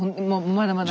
まだまだ。